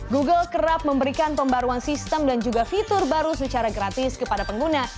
google kerap memberikan pembaruan sistem dan juga fitur baru secara gratis kepada pengguna